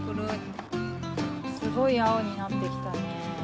すごいあおになってきたね。